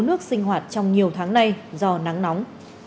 nước sinh hoạt trong nhiều tháng nay do nắng nóng